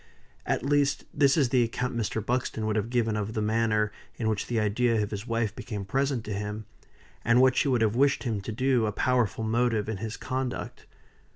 At least, this is the account Mr. Buxton would have given of the manner in which the idea of his wife became present to him, and what she would have wished him to do a powerful motive in his conduct.